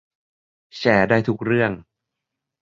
แชร์ได้ทุกเรื่อง